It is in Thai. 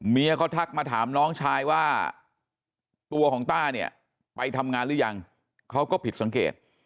เมียเขาทักมาถามน้องชายว่าตัวของต้าเนี่ยไปทำงานหรือยังเขาก็ผิดสังเกต